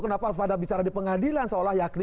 kenapa pada bicara di pengadilan seolah yakin